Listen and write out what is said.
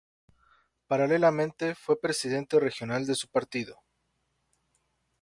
Paralelamente fue presidente regional de su partido.